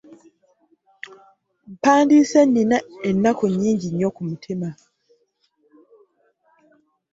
Mpandiise nnina ennaku nnyingi nnyo ku mutima.